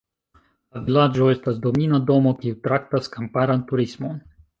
La vilaĝo estas domina domo, kiu traktas kamparan turismon.